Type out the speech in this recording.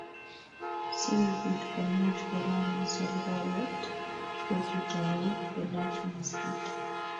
sikobit komuch korona serekalit ko kitau kelach maskit